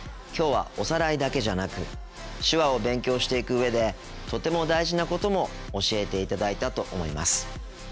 きょうはおさらいだけじゃなく手話を勉強していく上でとても大事なことも教えていただいたと思います。